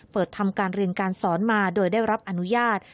เปิดทำการเรียนการสอนมาโดยได้รับอนุญาต